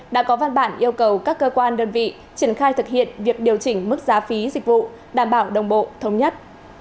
đã có văn bản yêu cầu các cơ quan đơn vị triển khai thực hiện việc điều chỉnh mức giá phí dịch vụ đảm bảo đồng bộ thống nhất